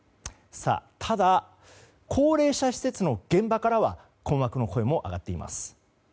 ただ、高齢者施設の現場からは困惑の声も上がっています。